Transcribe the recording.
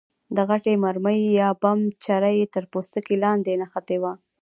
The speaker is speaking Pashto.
د غټې مرمۍ یا بم چره یې تر پوستکي لاندې نښتې وه.